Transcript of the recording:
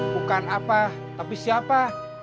bukan apa tapi siapa